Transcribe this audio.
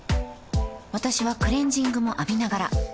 私はクレジングも浴びながら